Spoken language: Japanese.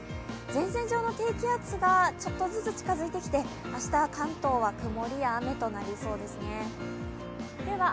前線上の低気圧がちょっとずつ近づいてきて、明日は関東は曇りや雨となりそうですね。